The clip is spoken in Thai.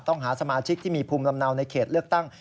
หาสมาชิกที่มีภูมิลำเนาในเขตเลือกตั้ง